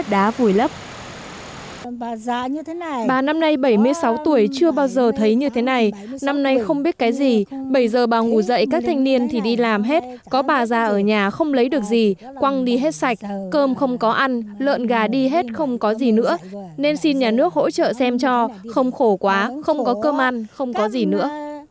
bảy mươi sáu tuổi chưa bao giờ thấy như thế này năm nay không biết cái gì bảy giờ bà ngủ dậy các thanh niên thì đi làm hết có bà ra ở nhà không lấy được gì quăng đi hết sạch cơm không có ăn lợn gà đi hết không có gì nữa nên xin nhà nước hỗ trợ xem cho không khổ quá không có cơm ăn không có gì nữa